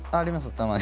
たまに。